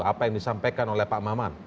apa yang disampaikan oleh pak maman